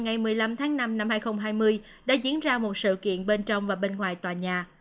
ngày một mươi năm tháng năm năm hai nghìn hai mươi đã diễn ra một sự kiện bên trong và bên ngoài tòa nhà